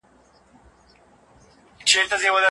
فکري تنوع به زمونږ په هېواد کي ومنل سي.